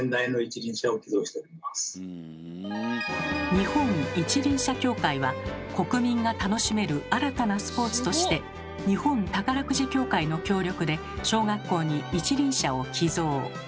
日本一輪車協会は「国民が楽しめる新たなスポーツ」として日本宝くじ協会の協力で小学校に一輪車を寄贈。